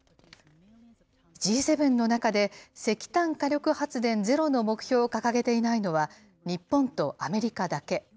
Ｇ７の中で石炭火力発電ゼロの目標を掲げていないのは、日本とアメリカだけ。